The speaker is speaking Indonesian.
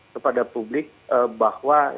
kepada publik bahwa